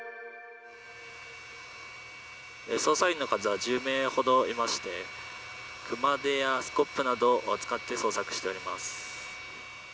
捜査員の数は１０名ほどいまして熊手やスコップなどを使って捜索しております。